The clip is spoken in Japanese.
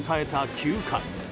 ９回。